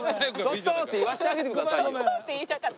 ちょっと！って言いたかった。